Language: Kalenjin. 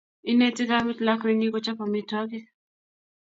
Ineti kamet lakwenyi kochop amitwogik